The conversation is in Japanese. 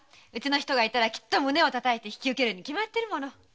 うちの人がいたらきっと胸を叩いて引き受けるに決まってるもの。